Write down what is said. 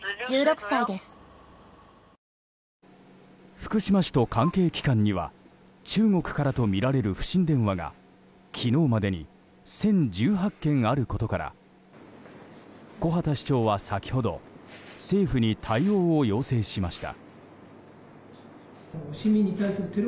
福島市と関係機関には中国からとみられる不審電話が昨日までに１０１８件あることから木幡市長は先ほど政府に対応を要請しました。